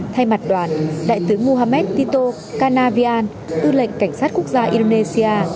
thay mặt đoàn đại tướng muhammad tito kanavian ưu lệnh cảnh sát quốc gia indonesia